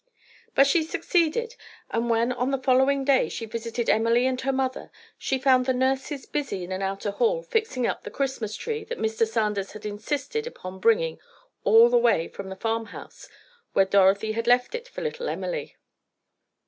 But she succeeded, and when on the following day she visited Emily and her mother, she found the nurses busy in an outer hall, fixing up the Christmas tree that Mr. Sanders had insisted upon bringing all the way from the farmhouse where Dorothy had left it for little Emily.